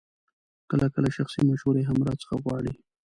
کله کله شخصي مشورې هم راڅخه غواړي.